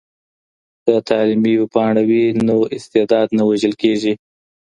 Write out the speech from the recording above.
که تعلیمي ویبپاڼه وي نو استعداد نه وژل کیږي.